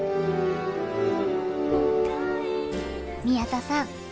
宮田さん